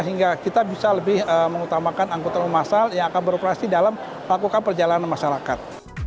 sehingga kita bisa lebih mengutamakan angkutan umum masal yang akan beroperasi dalam melakukan perjalanan masyarakat